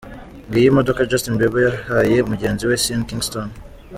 Ngiyo imodoka Justin Bieber yahaye mugenzi we Sean Kingston.